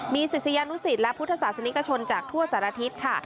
มีศิษยานุสิตและพุทธศาสนิกชนจากทั่วสารทิศค่ะ